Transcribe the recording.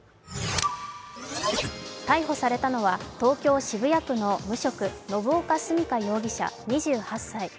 逮捕されたのは東京・渋谷区の無職、信岡純佳容疑者２８歳。